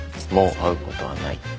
もう会うことはない。